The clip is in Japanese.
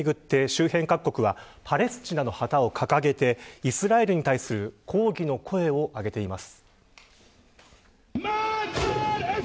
病院の爆発をめぐって周辺各国はパレスチナの旗を掲げてイスラエルに対する抗議の声を上げています。